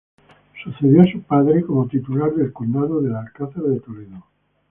Sucedió a su padre como titular del condado del Alcázar de Toledo.